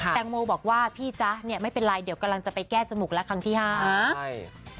แตงโมบอกว่าพี่จ๊ะเนี่ยไม่เป็นไรเดี๋ยวกำลังจะไปแก้จมูกแล้วครั้งที่ห้าใช่